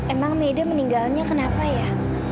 emang meda meninggalnya kenapa ya